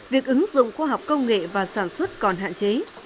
việc ứng dụng khoa học công nghệ và sản xuất còn hạn chế